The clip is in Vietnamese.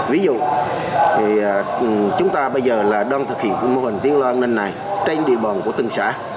ví dụ chúng ta bây giờ đang thực hiện mô hình tiếng loa an ninh này trên địa bờ của từng xã